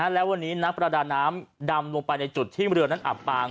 และวันนี้นักประดาน้ำดำลงไปในจุดที่เรือนั้นอับปาง